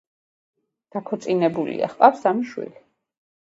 დაქორწინებულია, ჰყავს სამი შვილი.